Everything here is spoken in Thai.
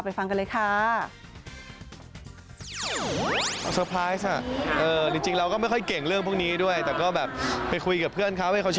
ฟังกันเลยค่ะ